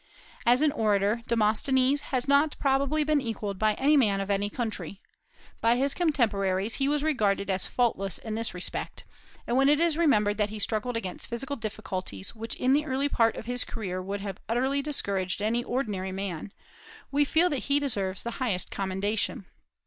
As an orator Demosthenes has not probably been equalled by any man of any country. By his contemporaries he was regarded as faultless in this respect; and when it is remembered that he struggled against physical difficulties which in the early part of his career would have utterly discouraged any ordinary man, we feel that he deserves the highest commendation.